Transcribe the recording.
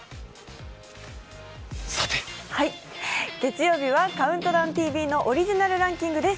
月曜日は「ＣＯＵＮＴＤＯＷＮＴＶ」のオリジナルランキングです。